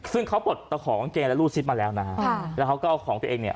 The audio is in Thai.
ซึ่งเขาปลดตะขอกางเกงและรูดซิดมาแล้วนะฮะแล้วเขาก็เอาของตัวเองเนี่ย